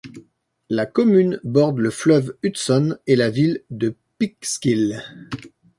La commune borde le Fleuve Hudson et la ville de Peekskill.